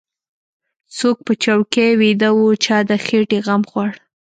څوک په چوکۍ ويده و چا د خېټې غم خوړ.